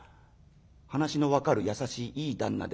『話の分かる優しいいい旦那です』。